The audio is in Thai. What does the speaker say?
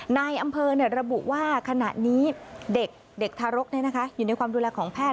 นายอำเภอระบุว่าขณะนี้เด็กทารกอยู่ในความดูแลของแพท